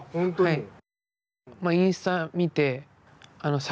はい。